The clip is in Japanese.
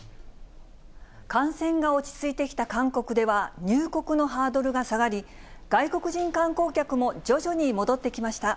感染が落ち着いてきた韓国では、入国のハードルが下がり、外国人観光客も徐々に戻ってきました。